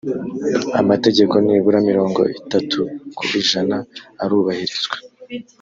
amategeko nibura mirongo itatu ku ijana arubahirizwa